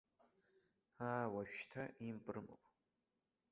Аа уажәшьҭа имп рымоуп.